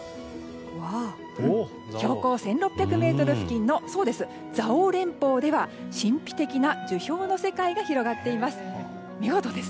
標高１６００ｍ付近の蔵王連峰では神秘的な樹氷の世界が広がっています。